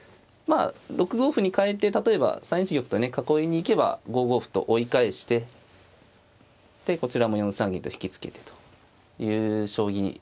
まあ６五歩にかえて例えば３一玉とね囲いに行けば５五歩と追い返してでこちらも４三銀と引き付けてという将棋。